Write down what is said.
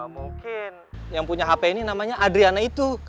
mungkin yang punya hp ini namanya adriana itu